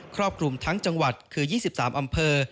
รอบคลุมทั้งจังหวัดคือ๒๓อำเภอ